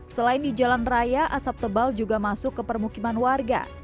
selain di jalan raya asap tebal juga masuk ke permukiman warga